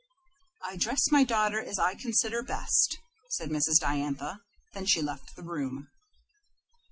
"I dress my daughter as I consider best," said Mrs. Diantha. Then she left the room.